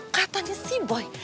katanya si boy